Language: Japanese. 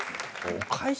お返し